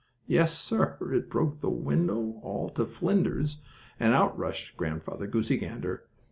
Yes, sir, it broke the window all to flinders, and out rushed Grandfather Goosey Gander!